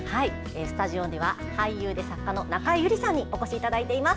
スタジオには俳優で作家の中江有里さんにお越しいただいています。